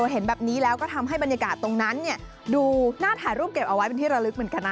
เห็นแบบนี้แล้วก็ทำให้บรรยากาศตรงนั้นดูน่าถ่ายรูปเก็บเอาไว้เป็นที่ระลึกเหมือนกันนะ